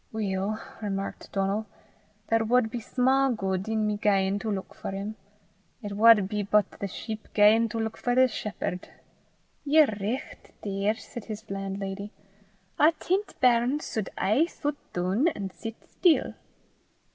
"Weel," remarked Donal, "there wad be sma' guid in my gaein' to luik for him. It wad be but the sheep gaein' to luik for the shepherd." "Ye're richt there," said his landlady. "A tint bairn sud aye sit doon an' sit still."